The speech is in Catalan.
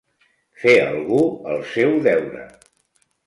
Fer algú el seu deure.